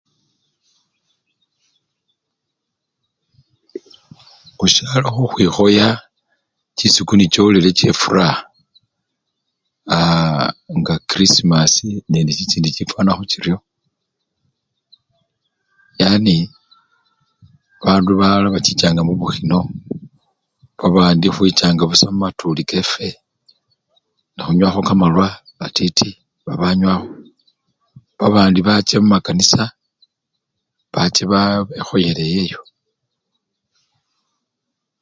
Musyalo khukhwikhoya chisiku necholile chefuraa aaa! nga krisimasi nende chichindi chifwanakho chiryo yani bandu balala bachichanga mubukhino babandi khwechanga busa mumatuli kefwe nekhunywakho kamalwa matiti babanywakho, babandi bacha mumakanisa bacha baa! bekhoyela eyeyo.